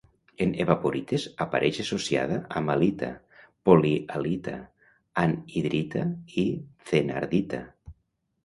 En evaporites apareix associada amb halita, polihalita, anhidrita i thenardita.